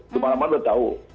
semua orang sudah tahu